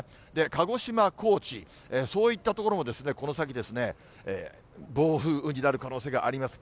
鹿児島、高知、そういった所もこの先、暴風雨になる可能性があります。